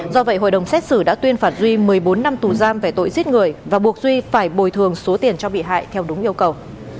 do vậy hội đồng xét xử đã tuyên phạt duy một mươi bốn năm tù giam về tội giết người và buộc duy phải bồi thường số tiền cho bị hại theo đúng yêu cầu